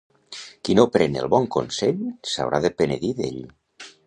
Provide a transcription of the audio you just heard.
Qui no pren el bon consell s'haurà de penedir d'ell.